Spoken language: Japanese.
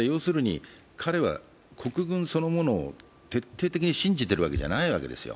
彼は国軍そのものを徹底的に信じているわけじゃないんですよ。